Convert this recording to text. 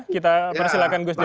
kita persilahkan gus jadil